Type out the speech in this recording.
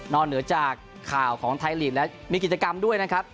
เหนือจากข่าวของไทยลีกแล้วมีกิจกรรมด้วยนะครับ